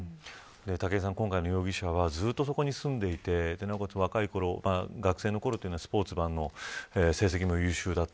武井さん、今回の容疑者はずっとそこに住んでいてなおかつ学生のころはスポーツ万能成績も優秀だった。